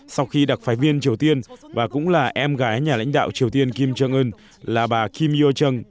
sau khi đặc phái viên triều tiên và cũng là em gái nhà lãnh đạo triều tiên kim jong un là bà kim youchon